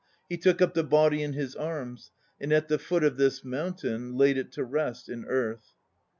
He took up the body in his arms, And at the foot of this mountain Laid it to rest in earth.